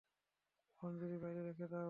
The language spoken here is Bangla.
মঞ্জুরী, বাইরে রেখে দাও।